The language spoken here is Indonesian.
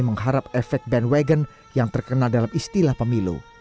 mengharap efek bandwagon yang terkena dalam istilah pemilu